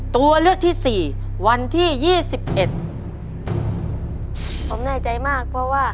ตัวเลือกที่สี่วันที่ยี่สิบเอ็ดผมแน่ใจมากเพราะว่า